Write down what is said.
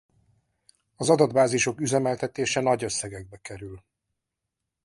Az adatbázisok üzemeltetése nagy összegekbe kerül.